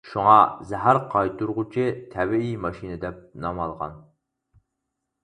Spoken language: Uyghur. شۇڭا، «زەھەر قايتۇرغۇچى تەبىئىي ماشىنا» دەپ نام ئالغان.